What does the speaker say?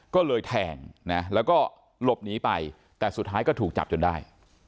ก็เลยแทงนะแล้วก็หลบหนีไปแต่สุดท้ายก็ถูกจับจนได้